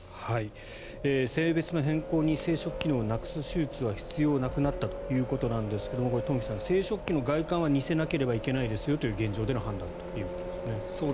性別の変更に生殖機能をなくす手術は必要なくなったということですが東輝さん、生殖器の外観は似せなければいけないですよという現状の判断ということですね。